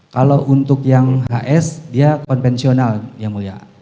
kalau untuk yang hs dia konvensional yang mulia